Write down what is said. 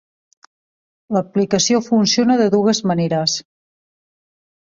L'aplicació funciona de dues maneres.